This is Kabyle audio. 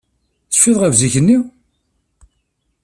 Tecfiḍ ɣef zik-nni?